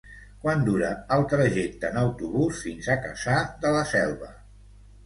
Quant dura el trajecte en autobús fins a Cassà de la Selva?